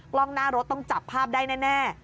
กล้องหน้ารถต้องจับภาพได้แน่